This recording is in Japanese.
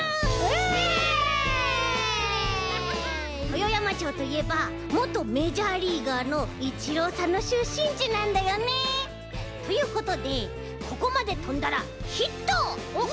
豊山町といえばもとメジャーリーガーのイチローさんのしゅっしんちなんだよね。ということでここまでとんだらヒット！